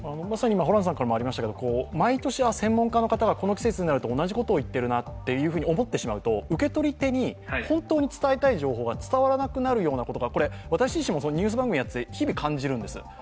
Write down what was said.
毎年、専門家の方がこの季節になると同じことを言っているなと思ってしまうと受け取り手に本当に伝えたい情報が伝わらなくなるようなことが私自身、ニュース番組をやってて日々感じるんです。